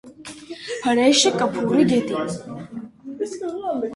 Հրէշը կը փռուի գետին։